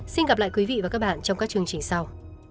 xin gặp lại quý vị và các bạn trong các chương trình sau